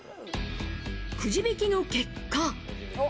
くじ引きの結果。